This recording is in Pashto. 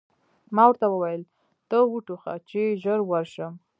ما ورته وویل: ته و ټوخه، چې ژر ورشم.